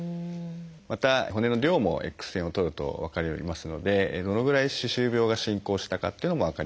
また骨の量もＸ線を撮ると分かりますのでどのぐらい歯周病が進行したかっていうのも分かります。